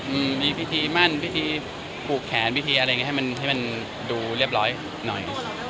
อืมมีพิธีมั่นพิธีผูกแขนพิธีอะไรอย่างเงี้ให้มันให้มันดูเรียบร้อยหน่อย